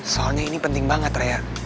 soalnya ini penting banget rea